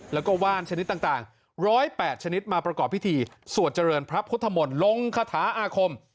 แล้วก็ว่านชนิดต่าง๑๐๘ชนิดมาประกอบพิธีสวดเจริญพระพุทธมนต์ลงคาถาอาคม